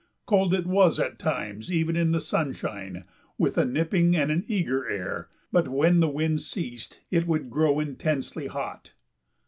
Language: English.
Cold it was, at times even in the sunshine, with "a nipping and an eager air," but when the wind ceased it would grow intensely hot.